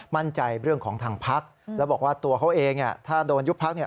เรื่องของทางพักแล้วบอกว่าตัวเขาเองถ้าโดนยุบพักเนี่ย